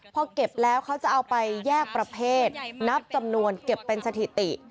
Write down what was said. พอเก็บแล้วเขาจะเอาไปแยกประเภทนับจำนวนเก็บเป็นสถิติ